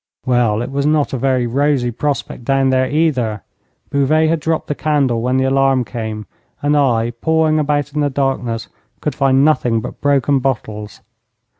Well, it was not a very rosy prospect down there either. Bouvet had dropped the candle when the alarm came, and I, pawing about in the darkness, could find nothing but broken bottles.